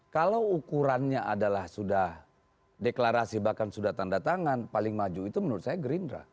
kalau ukurannya adalah sudah deklarasi bahkan sudah tanda tangan paling maju itu menurut saya gerindra